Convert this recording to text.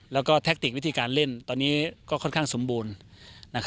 แล้วก็แทคติกวิธีการเล่นตอนนี้ก็ค่อนข้างสมบูรณ์